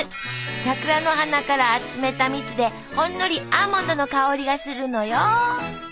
桜の花から集めたみつでほんのりアーモンドの香りがするのよ。